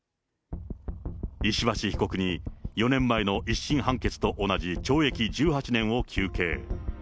石橋被告に４年前の１審判決と同じ懲役１８年を求刑。